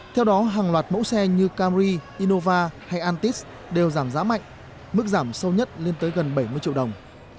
theo đó hàng loạt mẫu xe như camri innova hay antis đều giảm giá mạnh mức giảm sâu nhất lên tới gần bảy mươi triệu đồng